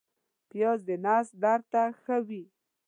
پیاز د نس درد ته ښه وي